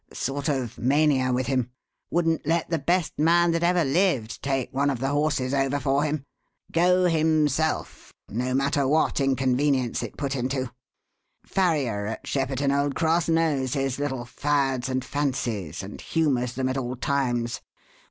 Sort of mania with him. Wouldn't let the best man that ever lived take one of the horses over for him. Go himself, no matter what inconvenience it put him to. Farrier at Shepperton Old Cross knows his little 'fads and fancies' and humours them at all times.